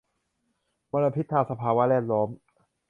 มลพิษทางสภาวะแวดล้อม